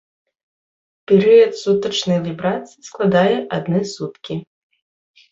Перыяд сутачнай лібрацыі складае адны суткі.